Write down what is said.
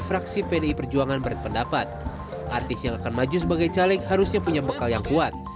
fraksi pdi perjuangan berpendapat artis yang akan maju sebagai caleg harusnya punya bekal yang kuat